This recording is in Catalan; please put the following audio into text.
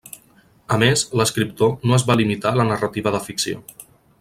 A més, l'escriptor no es va limitar a la narrativa de ficció.